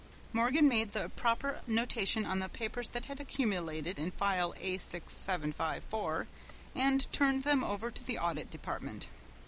Morgan made the proper notation on the papers that had accumulated in File A6754, and turned them over to the Audit Department.